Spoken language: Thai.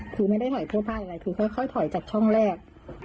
คือไม่ได้หอยพ่อพ่ายอะไรคือค่อยถอยจากช่องแรก